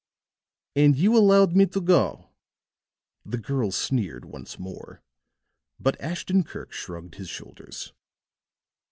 "And you allowed me to go!" The girl sneered once more; but Ashton Kirk shrugged his shoulders.